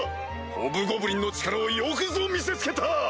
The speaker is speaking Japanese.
ホブゴブリンの力をよくぞ見せつけた！